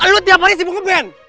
lo tiap hari sibuk ngeband